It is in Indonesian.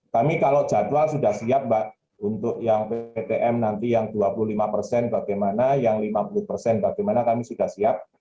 kami kalau jadwal sudah siap mbak untuk yang ptm nanti yang dua puluh lima persen bagaimana yang lima puluh persen bagaimana kami sudah siap